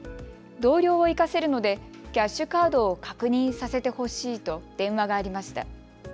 同僚を行かせるのでキャッシュカードを確認させてほしいと電話がありました。